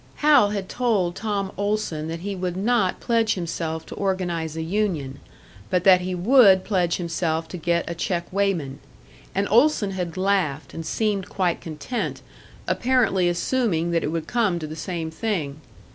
Hal had told Tom Olson that he would not pledge himself to organise a union, but that he would pledge himself to get a check weighman; and Olson had laughed, and seemed quite content apparently assuming that it would come to the same thing.